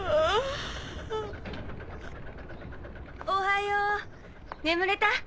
おはよう眠れた？